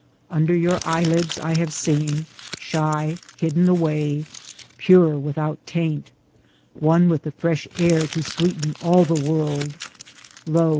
Under your eyelids I have seen, shy, hidden away, pure without taint, one with the fresh air to sweeten all the world — lo